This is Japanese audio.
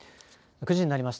９時になりました。